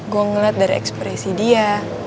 gue ngeliat dari ekspresi dia